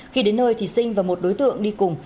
khi đến nơi thì sinh và một đối tượng đi cùng